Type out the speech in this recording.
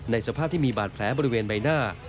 สภาพที่มีบาดแผลบริเวณใบหน้า